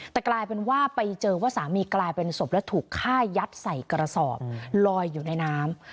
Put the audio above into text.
แต่กลายเป็นว่าไปเจอว่าสามีกลายเป็นศพและถูกฆ่ายัดใส่กระสอบลอยอยู่ในน้ำ